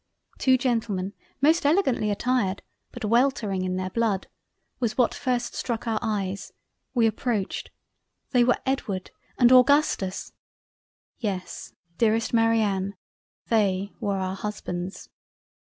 Two Gentlemen most elegantly attired but weltering in their blood was what first struck our Eyes—we approached—they were Edward and Augustus—. Yes dearest Marianne they were our Husbands.